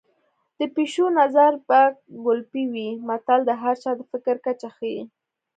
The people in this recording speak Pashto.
د پيشو نظر به کولپۍ وي متل د هر چا د فکر کچه ښيي